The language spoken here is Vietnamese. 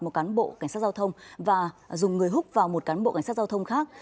một cán bộ cảnh sát giao thông và dùng người húc vào một cán bộ cảnh sát giao thông khác